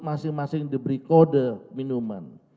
masing masing diberi kode minuman